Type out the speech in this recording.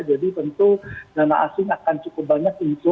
jadi tentu dana asing akan cukup banyak info